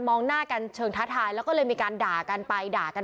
หน้ากันเชิงท้าทายแล้วก็เลยมีการด่ากันไปด่ากัน